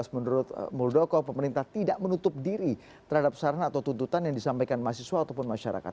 menurut muldoko pemerintah tidak menutup diri terhadap saran atau tuntutan yang disampaikan mahasiswa ataupun masyarakat